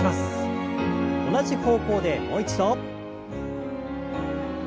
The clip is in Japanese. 同じ方向でもう一度。